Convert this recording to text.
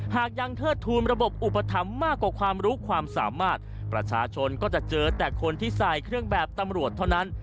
หากยังเทิดทูลระบบอุปถัมภ์มากกว่าความรู้ความสามารถประชาชนก็จะเจอแต่คนที่ใส่เครื่องแบบตำรวจเท่านั้น